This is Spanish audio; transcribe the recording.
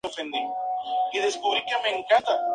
Leandro N. Alem en el ámbito urbano de la ciudad de Ushuaia.